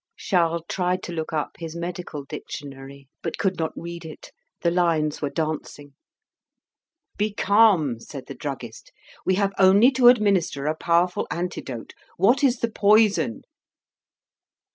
Charles tried to look up his medical dictionary, but could not read it; the lines were dancing. "Be calm," said the druggist; "we have only to administer a powerful antidote. What is the poison?"